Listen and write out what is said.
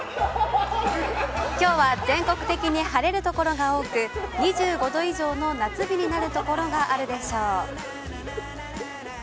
きょうは、全国的に晴れるところが多く、２５度以上の夏日になるところがあるでしょう。